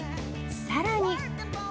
さらに。